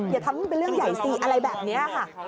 อย่าทำเป็นเรื่องใหญ่สิอะไรแบบนี้ค่ะ